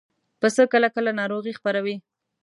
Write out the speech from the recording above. پسه کله کله ناروغي خپروي.